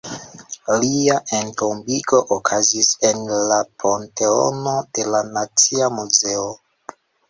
Lia entombigo okazis en la Panteono de la Nacia Muzeo.